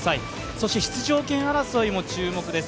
そして出場権争いも注目です。